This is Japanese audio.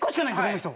この人。